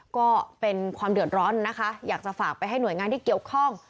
ก็เป็นความเดือดร้อนนะคะอยากจะฝากไปให้หน่วยงานที่เกี่ยวข้อง